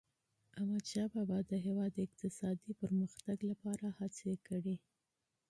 احمدشاه بابا د هیواد د اقتصادي پرمختګ لپاره هڅي کړي.